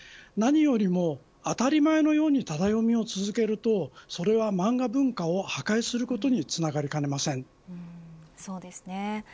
何よりも当たり前のようにタダ読みを続けるとそれは漫画文化を破壊することにそうですね。